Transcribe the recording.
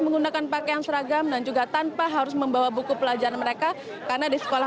menggunakan pakaian seragam dan juga tanpa harus membawa buku pelajaran mereka karena di sekolah